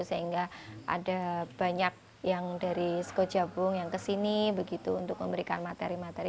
sehingga ada banyak yang dari skojabung yang kesini begitu untuk memberikan materi materi